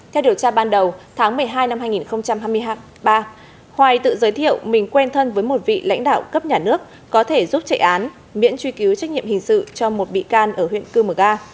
theo điều tra ban đầu tháng một mươi hai năm hai nghìn hai mươi ba hoài tự giới thiệu mình quen thân với một vị lãnh đạo cấp nhà nước có thể giúp chạy án miễn truy cứu trách nhiệm hình sự cho một bị can ở huyện cư mờ ga